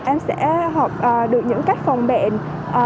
em sẽ học được những cách phòng bệnh